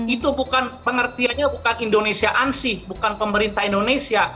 itu bukan pengertiannya bukan indonesiaansi bukan pemerintah indonesia